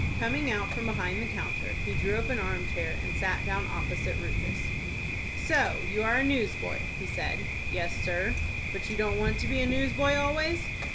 Coming out from behind the counter, he drew up an arm chair, and sat down opposite Rufus. "So you are a newsboy?" he said. "Yes, sir." "But you don't want to be a newsboy always?"